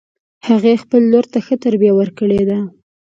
هغې خپل لور ته ښه تربیه ورکړې ده